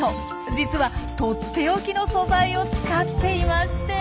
実はとっておきの素材を使っていまして。